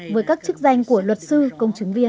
với các chức danh của luật sư công chứng viên